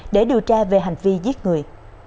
để điều tra về hành vi giết người